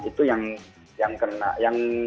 itu yang kena